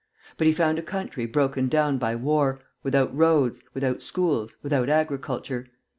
But he found a country broken down by war, without roads, without schools, without agriculture.